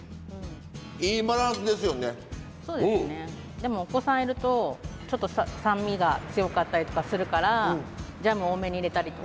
でもお子さんいるとちょっと酸味が強かったりとかするからジャム多めに入れたりとか。